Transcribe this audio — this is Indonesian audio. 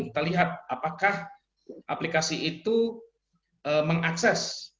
kita lihat apakah aplikasi itu mengakses